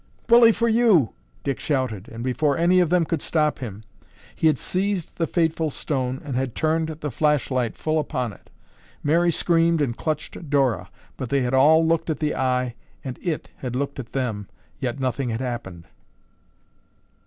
"Bully for you!" Dick shouted, and before any of them could stop him, he had seized the fateful stone and had turned the flashlight full upon it. Mary screamed and clutched Dora, but they had all looked at the Eye and it had looked at them, yet nothing had happened.